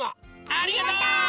ありがとう！